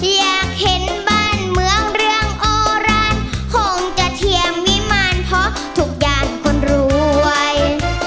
อยากเห็นบ้านเมืองเรื่องโอรันคงจะเทียมวิมารเพราะทุกอย่างคนรวย